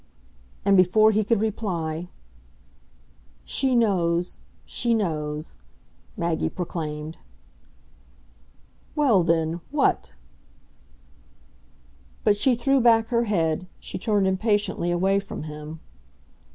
And before he could reply, "She knows, she knows!" Maggie proclaimed. "Well then, what?" But she threw back her head, she turned impatiently away from him.